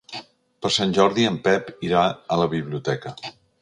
Per Sant Jordi en Pep irà a la biblioteca.